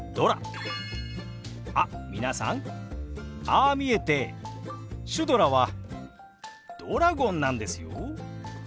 あっ皆さんああ見えてシュドラはドラゴンなんですよ。